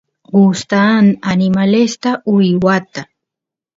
gustan animalesta uywata